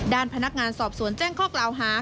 ด้านพนักงานสอบสวนแจ้งข้อกล่าวหา